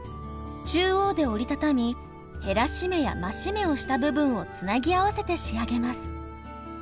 中央で折り畳み減らし目や増し目をした部分をつなぎ合わせて仕上げます。